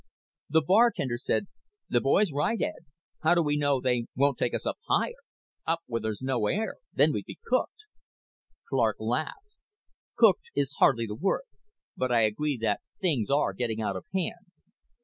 The bartender said, "The boy's right, Ed. How do we know they won't take us up higher up where there's no air? Then we'd be cooked." Clark laughed. "'Cooked' is hardly the word. But I agree that things are getting out of hand."